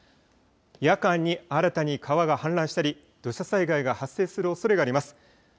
夜間に新たに川が氾濫したり土砂災害が発生するおそれがあります。